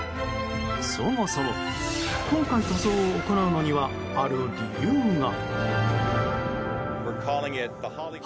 そもそも今回、塗装を行うのにはある理由が。